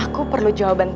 aku perlu jawaban tegas